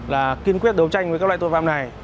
là kiên quyết đấu tranh với các loại tội phạm này